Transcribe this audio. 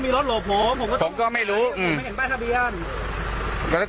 ลบซิ